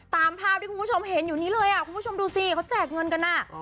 ตามภาพที่คุณผู้ชมเห็นอยู่นี้เลยอ่ะคุณผู้ชมดูสิเขาแจกเงินกันอ่ะ